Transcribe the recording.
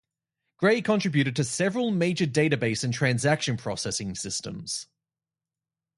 Gray contributed to several major database and transaction processing systems.